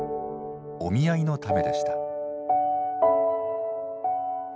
お見合いのためでした。